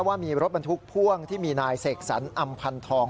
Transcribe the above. ว่ามีรถบรรทุกพ่วงที่มีนายเสกสรรอำพันธอง